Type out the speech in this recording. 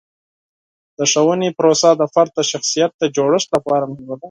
د ښوونې پروسه د فرد د شخصیت د جوړښت لپاره مهمه ده.